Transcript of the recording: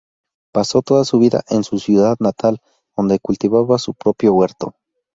Pasó toda su vida en su ciudad natal, donde cultivaba su propio huerto.